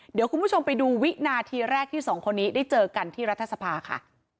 เดี๋ยวคุณผู้ชมไปดูวินาทีแรกที่สองคนนี้ได้เจอกันที่รัฐสภาค่ะ